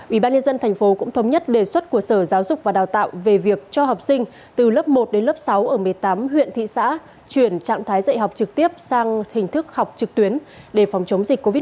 ubnd tp cũng thống nhất đề xuất của sở giáo dục và đào tạo về việc cho học sinh từ lớp một đến lớp sáu ở một mươi tám huyện thị xã chuyển trạng thái dạy học trực tiếp sang hình thức học trực tuyến để phòng chống dịch covid một mươi chín